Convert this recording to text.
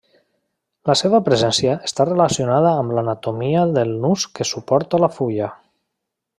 La seva presència està relacionada amb l'anatomia del nus que suporta la fulla.